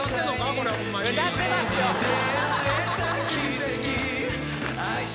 これホンマに歌ってますよカッコいい